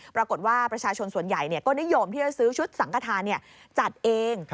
ปรากฏว่าประชาชนส่วนใหญ่ก็นิยมที่จะซื้อชุดสังขทานจัดเอง